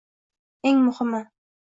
Eng muhimi